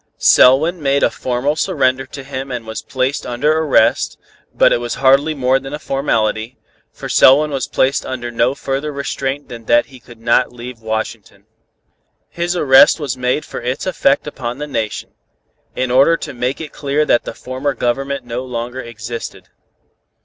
Selwyn made a formal surrender to him and was placed under arrest, but it was hardly more than a formality, for Selwyn was placed under no further restraint than that he should not leave Washington. His arrest was made for its effect upon the Nation; in order to make it clear that the former government no longer existed.